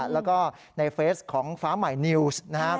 แล้วก็ในเฟสของฟ้าใหม่นิวส์นะครับ